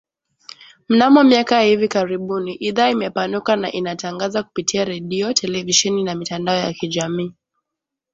Mnamo miaka ya hivi karibuni idhaa imepanuka na inatangaza kupitia redio, televisheni na mitandao ya kijamii